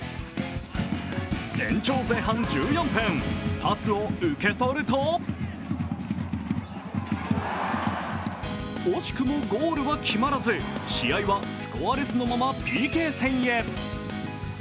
延長前半１４分、パスを受け取ると惜しくもゴールは決まらず、試合はスコアレスのままＰＫ戦へ。